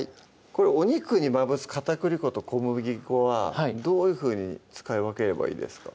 これお肉にまぶす片栗粉と小麦粉はどういうふうに使い分ければいいですか？